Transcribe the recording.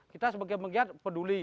kita sebagai penggiat peduli